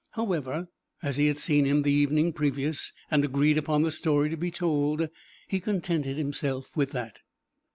However, as he had seen him the evening previous, and agreed upon the story to be told, he contented himself with that.